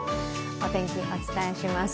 お天気、お伝えします。